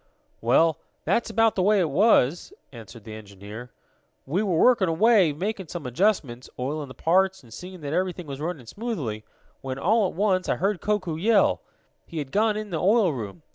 "Well, that's about the way it was," answered the engineer. "We were working away, making some adjustments, oiling the parts and seeing that everything was running smoothly, when, all at once, I heard Koku yell. He had gone in the oil room.